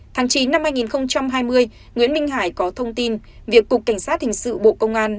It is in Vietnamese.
tháng chín năm hai nghìn hai mươi nguyễn minh hải có thông tin việc cục cảnh sát hình sự bộ công an